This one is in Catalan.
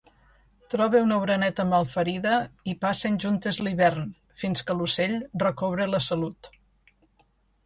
Troba una oreneta malferida i passen juntes l'hivern, fins que l'ocell recobra la salut.